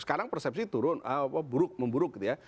sekarang persepsi turun memburuk gitu ya